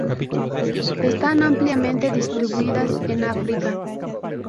Están ampliamente distribuidas en África.